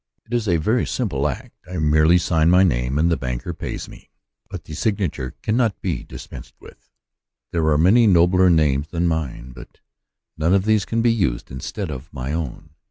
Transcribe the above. It is a very simple act : I merely sign my name, and the banker pays me: but the signature cannot be dispensed with. There are many nobler names than mine, but none of these can be used instead of my own.